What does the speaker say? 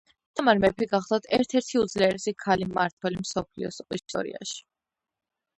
თამარ მეფე გახლდათ ერთ-ერთი უძლიერესი ქალი მმართველი მსოფლიოს ისტორიაში